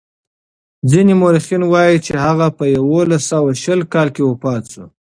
ځینې مورخین وايي چې هغه په یوولس سوه شل کال کې وفات شو.